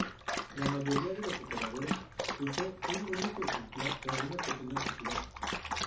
La mayoría de los operadores usó un único ejemplar, o una pequeña cantidad.